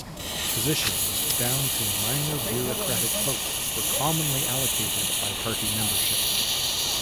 Positions down to minor bureaucratic posts were commonly allocated by party membership.